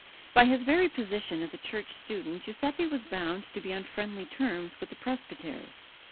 By his very position as a church student Giuseppe was bound to be on friendly terms with the presbytery.